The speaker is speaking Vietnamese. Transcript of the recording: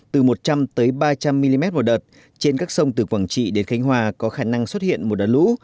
từ một trăm linh ba trăm linh mm một đợt trên các sông từ quảng trị đến khánh hòa có khả năng xuất hiện một đợt lũ